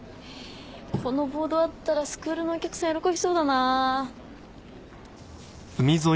このボードあったらスクールのお客さん喜びそうだなぁ。